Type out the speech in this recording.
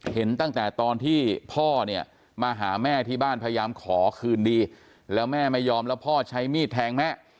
เห็นตั้งแต่ตอนที่พ่อเนี่ยมาหาแม่ที่บ้านพยายามขอคืนดีแล้วแม่ไม่ยอมแล้วพ่อใช้มีดแทงแม่